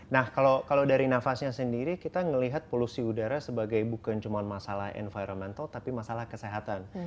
nah kalau dari nafasnya sendiri kita melihat polusi udara sebagai bukan cuma masalah environmental tapi masalah kesehatan